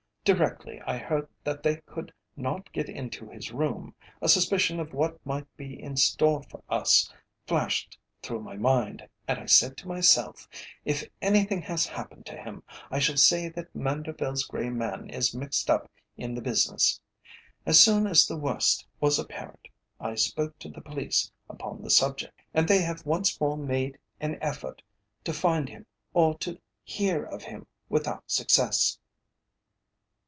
"Directly I heard that they could not get into his room, a suspicion of what might be in store for us flashed through my mind, and I said to myself, 'If anything has happened to him, I shall say that Manderville's grey man is mixed up in the business.' As soon as the worst was apparent, I spoke to the police upon the subject, and they have once more made an effort to find him or to hear of him, without success.